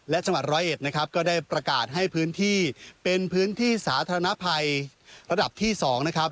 และจังหวัดร้อยเอ็ดนะครับก็ได้ประกาศให้พื้นที่เป็นพื้นที่สาธารณภัยระดับที่๒นะครับ